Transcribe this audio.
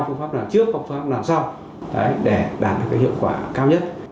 phương pháp nào trước phương pháp nào sau để đạt được hiệu quả cao nhất